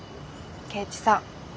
圭一さん。